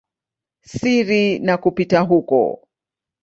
siri na kupita huko.